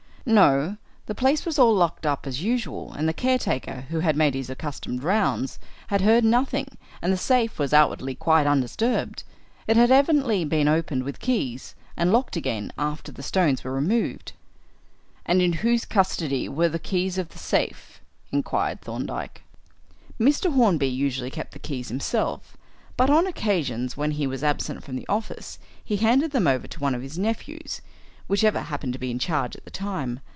"No. The place was all locked up as usual, and the caretaker, who had made his accustomed rounds, had heard nothing, and the safe was, outwardly, quite undisturbed. It had evidently been opened with keys and locked again after the stones were removed." "And in whose custody were the keys of the safe?" inquired Thorndyke. "Mr. Hornby usually kept the keys himself, but, on occasions, when he was absent from the office, he handed them over to one of his nephews whichever happened to be in charge at the time.